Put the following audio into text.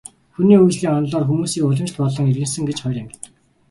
Хүний хөгжлийн онолоор хүмүүсийг уламжлалт болон иргэншсэн гэж хоёр ангилдаг.